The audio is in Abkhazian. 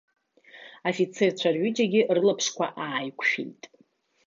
Афицерцәа рҩыџьагьы рылаԥшқәа ааиқәшәеит.